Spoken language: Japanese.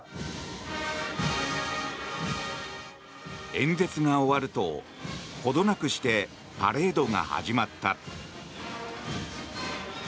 演説が終わると、ほどなくしてパレードが始まった。